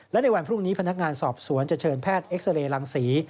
และในวันพรุ่งนี้พนักงานสอบสวนจะเชิญแพทย์เอ็กซาเรย์รังศรี